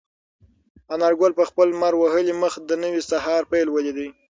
انارګل په خپل لمر وهلي مخ د نوي سهار پیل ولید.